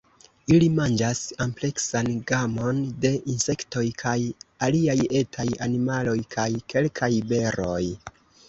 Ili manĝas ampleksan gamon de insektoj kaj aliaj etaj animaloj kaj kelkaj beroj.